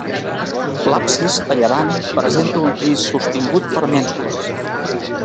L'absis, a llevant, presenta un fris sostingut per mènsules.